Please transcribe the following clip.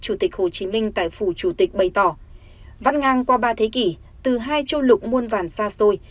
chủ tịch hồ chí minh tại phủ chủ tịch bày tỏ văn ngang qua ba thế kỷ từ hai châu lục muôn vàn xa xôi